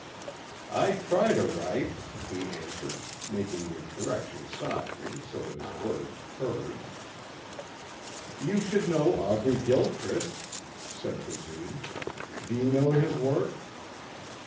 "I try to write," he answered, making the correction softly so that his words purred. "You should know Aubrey Gilchrist," said Basine. "Do you know his work?"